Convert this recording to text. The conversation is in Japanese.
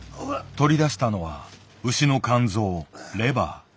取り出したのは牛の肝臓レバー。